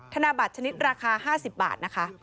ธนบัตรชนิดราคา๕๐บาทนะคะ